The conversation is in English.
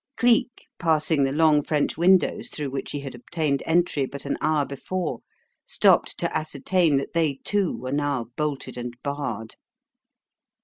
Cleek, passing the long French windows through which he had obtained entry but an hour before, stopped to ascertain that they, too, were now bolted and barred.